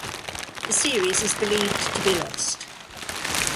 The series is believed to be lost.